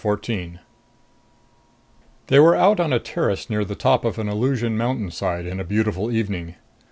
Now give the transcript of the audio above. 14 They were out on a terrace near the top of an illusion mountainside, in a beautiful evening.